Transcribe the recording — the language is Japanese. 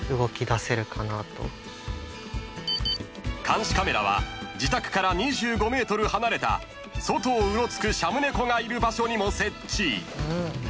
［監視カメラは自宅から２５ｍ離れた外をうろつくシャム猫がいる場所にも設置］